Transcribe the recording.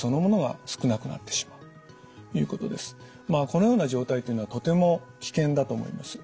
このような状態というのはとても危険だと思います。